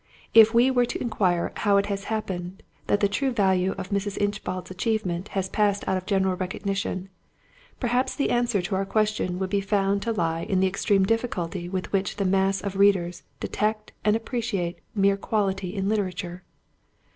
If we were to inquire how it has happened that the true value of Mrs. Inchbald's achievement has passed out of general recognition, perhaps the answer to our question would be found to lie in the extreme difficulty with which the mass of readers detect and appreciate mere quality in literature.